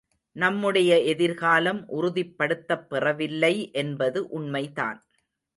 நம்முடைய எதிர்காலம் உறுதிப்படுத்தப் பெறவில்லை என்பது உண்மைதான்.